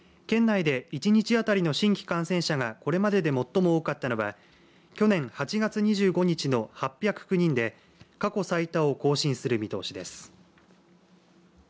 県内で１日当たりの新規感染者がこれまでで最も多かったのは去年８月２５日の８０９人で過去最多を更新する見通しです。